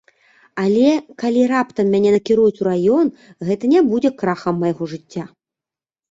Але, калі раптам мяне накіруюць у раён, гэта не будзе крахам майго жыцця.